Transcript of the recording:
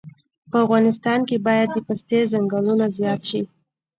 په افغانستان کې باید د پستې ځنګلونه زیات شي